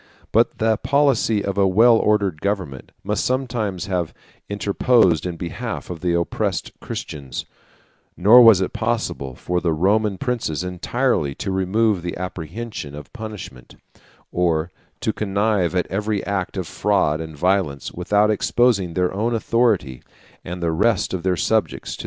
But the policy of a well ordered government must sometimes have interposed in behalf of the oppressed Christians; 1521 nor was it possible for the Roman princes entirely to remove the apprehension of punishment, or to connive at every act of fraud and violence, without exposing their own authority and the rest of their subjects to the most alarming dangers.